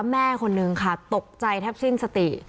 แม่คนนึงค่ะตกใจแทบสิ้นสติ